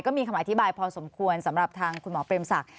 มีคำอธิบายพอสมควรสำหรับทางคุณหมอเปรมศักดิ